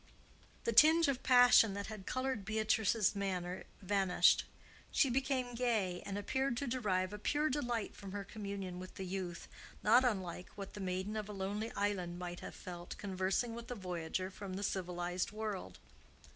The tinge of passion that had colored Beatrice's manner vanished; she became gay, and appeared to derive a pure delight from her communion with the youth not unlike what the maiden of a lonely island might have felt conversing with a voyager from the civilized world.